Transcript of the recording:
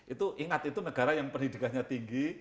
itu ingat itu negara yang pendidikannya tinggi